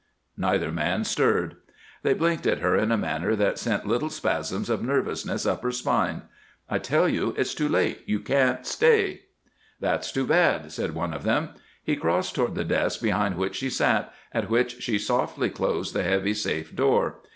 Neither man stirred. They blinked at her in a manner that sent little spasms of nervousness up her spine. "I tell you it's too late you can't stay!" "That's too bad," said one of them. He crossed toward the desk behind which she sat, at which she softly closed the heavy safe door.